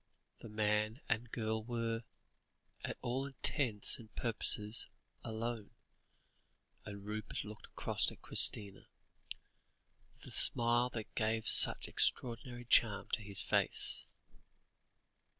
The man and girl were, to all intents and purposes, alone, and Rupert looked across at Christina, with the smile that gave such extraordinary charm to his face.